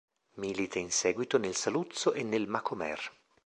Milita in seguito nel Saluzzo e nel Macomer.